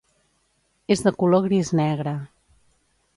És de color gris-negre.